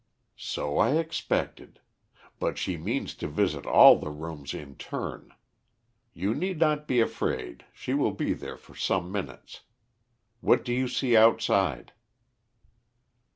"So I expected. But she means to visit all the rooms in turn. You need not be afraid, she will be there for some minutes. What do you see outside?"